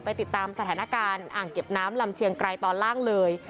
ติดตามสถานการณ์อ่างเก็บน้ำลำเชียงไกรตอนล่างเลย